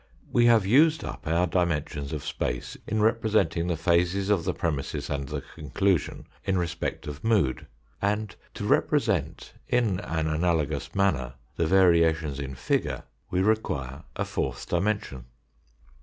We have used up our dimensions of space in represent ing the phases of the premisses and the conclusion in respect of mood, and to represent in an analogous manner the variations in figure we require a fourth dimension.